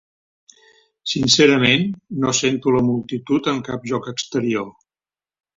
Sincerament, no sento la multitud en cap joc exterior.